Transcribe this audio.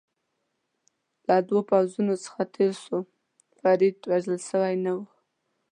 له دوو پوځونو څخه تېر شو، که فرید وژل شوی نه وای.